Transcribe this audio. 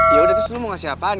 yaudah terus lu mau ngasih apaan